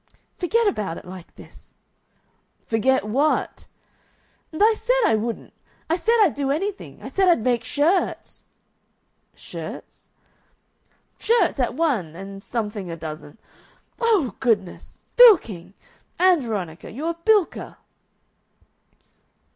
"Forget about it like this." "Forget WHAT?" "And I said I wouldn't. I said I'd do anything. I said I'd make shirts." "Shirts?" "Shirts at one and something a dozen. Oh, goodness! Bilking! Ann Veronica, you're a bilker!"